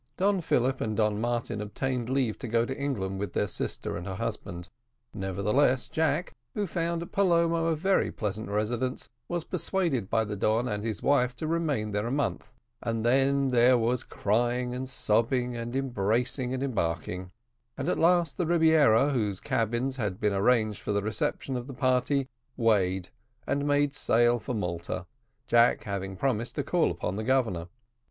Don Philip and Don Martin obtained leave to go to England, with their sister and her husband. Nevertheless, Jack, who found Palermo a very pleasant residence, was persuaded by the Don and his wife to remain there a month, and then there was crying and sobbing, and embracing, and embarking; and at last the Rebiera, whose cabins had been arranged for the reception of the party, weighed and made sail for Malta, Jack having promised to call upon the Governor.